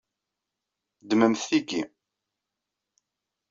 Ddmemt tigi.